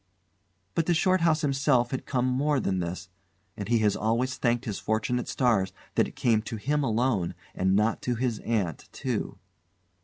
But to Shorthouse himself had come more than this, and he has always thanked his fortunate stars that it came to him alone and not to his aunt too.